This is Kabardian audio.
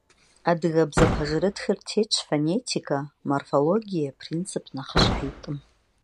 Адыгэбзэ пэжырытхэр тетщ фонетикэ, морфологие принцип нэхъыщхьитӏым.